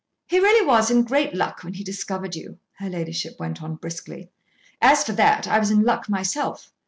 "He really was in great luck when he discovered you," her ladyship went on briskly. "As for that, I was in luck myself.